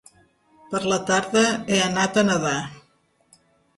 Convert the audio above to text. Per la tarda, he anat a nedar.